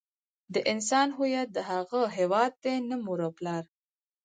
د انسان هویت د هغه هيواد دی نه مور او پلار.